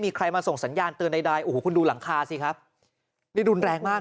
มีใครมาส่งสัญญาณตื่นใดคุณดูหลังคาซิครับดูแรงมาก